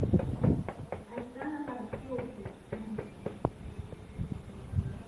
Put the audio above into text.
I've done a lot of cruelty on animals in my films.